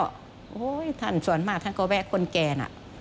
โอ้โหท่านส่วนมากท่านก็แวะคนแก่นะ